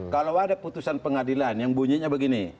kalau ada putusan pengadilan yang bunyinya begini